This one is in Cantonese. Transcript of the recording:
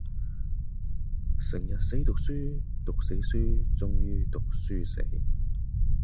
成日死讀書,讀死書,終於讀書死